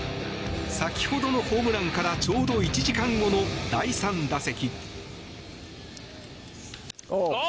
先ほどのホームランからちょうど１時間後の第３打席。